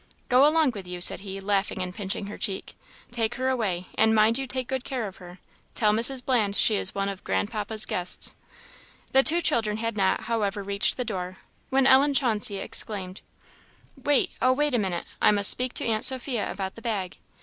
"Go along with you," said he, laughing, and pinching her cheek. "Take her away, Ellen, take her away, and mind you take good care of her. Tell Mrs. Bland she is one of grandpapa's guests." The two children had not, however, reached the door, when Ellen Chauncey exclaimed, "Wait oh, wait a minute! I must speak to aunt Sophia about the bag."